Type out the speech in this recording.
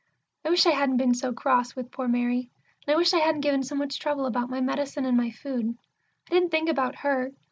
I wish I hadn't been so cross with poor Mary, and I wish I hadn't given so much trouble about my medicine and my food. I didn't think about her.